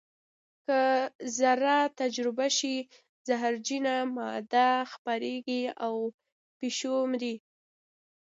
که ذره تجزیه شي زهرجنه ماده خپرېږي او پیشو مري.